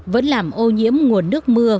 vẫn làm ô nhiễm nguồn nước mưa